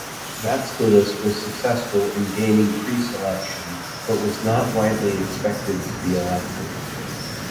Vatskalis was successful in gaining preselection, but was not widely expected to be elected.